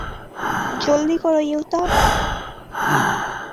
জলদি করো, ইউতা!